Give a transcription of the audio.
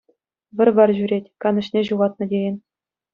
Вӑр-вар ҫӳрет, канӑҫне ҫухатнӑ тейӗн.